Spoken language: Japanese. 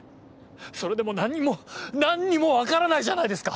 それでも何も何にも分からないじゃないですか！